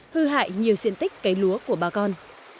hư hại nhiều diện tích cấy lúa của bà con